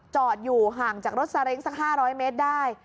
จอดอยู่ห่างจากรถซาเล้งสัก๕๐๐เมตรได้